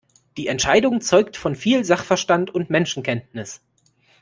Die Entscheidung zeugt von viel Sachverstand und Menschenkenntnis.